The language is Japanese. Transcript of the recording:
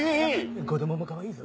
子供もかわいいぞ。